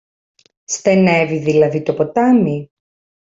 Στενεύει δηλαδή το ποτάμι;